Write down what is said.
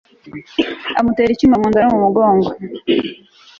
amutera icyuma mu nda no mu mugongo